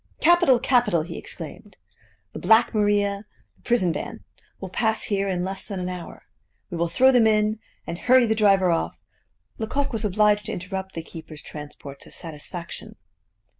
"Capital! capital!" he exclaimed. "The Black Maria, the prison van, will pass here in less than an hour; we will throw them in, and hurry the driver off " Lecoq was obliged to interrupt the keeper's transports of satisfaction.